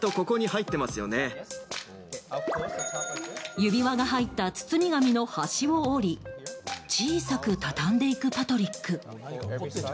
指輪が入った包み紙の端を折り小さく畳んでいくパトリック。